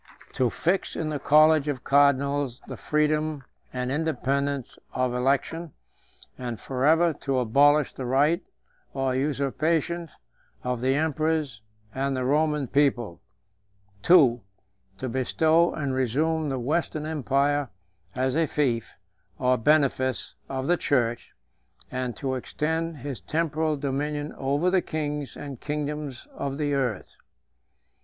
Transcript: To fix in the college of cardinals the freedom and independence of election, and forever to abolish the right or usurpation of the emperors and the Roman people. II. To bestow and resume the Western empire as a fief or benefice 134 of the church, and to extend his temporal dominion over the kings and kingdoms of the earth.